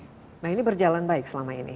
nah ini berjalan baik selama ini